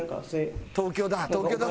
東京だ。